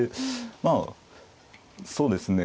まあそうですね